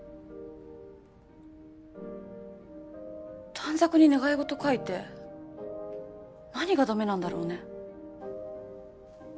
短冊に願い事を書いて何が駄目なんだろうね。